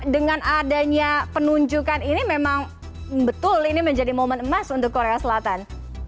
dengan adanya penunjukan ini memang betul ini menjadi momen emas untuk korea selatan